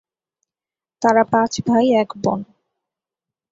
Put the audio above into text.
তারা পাঁচ ভাই এক বোন।